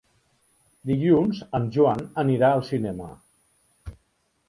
Dilluns en Joan anirà al cinema.